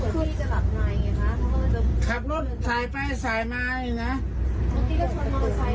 ขับรถทรายไปทรายมาเลยนะ